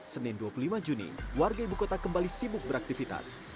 senin dua puluh lima juni warga ibu kota kembali sibuk beraktivitas